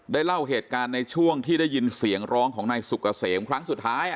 เล่าเหตุการณ์ในช่วงที่ได้ยินเสียงร้องของนายสุกเกษมครั้งสุดท้าย